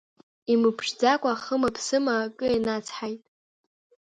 Имыԥшӡакәа, хымаԥсыма акы инацҳаит.